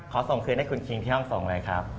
ขอส่งคลิงให้ที่ห้องไปที่ห้องส่งเลยครับ